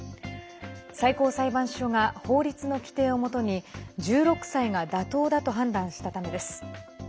最高裁判所が法律の規定をもとに１６歳が妥当だと判断したためです。